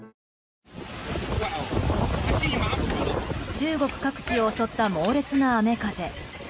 中国各地を襲った猛烈な雨風。